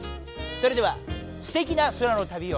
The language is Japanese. それではすてきな空のたびを。